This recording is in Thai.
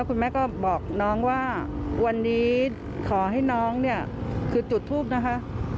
วันนี้ขอให้น้องเนี่ยคือจุดทูบนะคะ